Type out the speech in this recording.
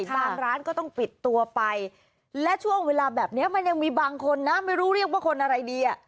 ร้านก็ต้องปิดตัวไปและช่วงเวลาแบบนี้มันยังมีบางคนนะไม่รู้เรียกว่าคนอะไรดีอ่ะ